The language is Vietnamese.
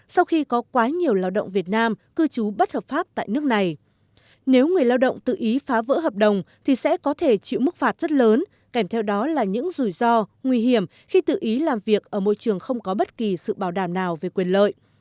sau khi có quá nhiều lao động việt nam cư trú bất hợp pháp tại nước này nếu người lao động tự ý phá vỡ hợp đồng thì sẽ có thể chịu mức phạt rất lớn kèm theo đó là những rủi ro nguy hiểm khi tự ý làm việc ở môi trường không có bất kỳ sự bảo đảm nào về quyền lợi